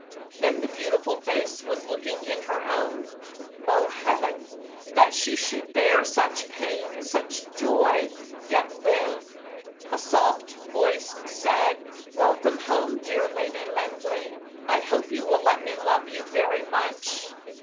Then the beautiful face was looking in her own. Oh, Heaven! that she should bear such pain, such joy, yet live. A soft voice said: "Welcome home, dear Lady Linleigh. I hope you will let me love you very much."